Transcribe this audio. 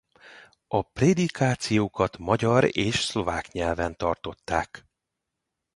A prédikációkat magyar és szlovák nyelven tartották.